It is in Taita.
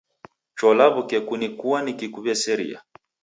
Cho law'uke kunikua nikikuw'eseria